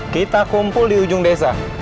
kita kumpul di ujung desa